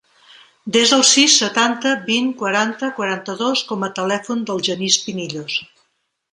Desa el sis, setanta, vint, quaranta, quaranta-dos com a telèfon del Genís Pinillos.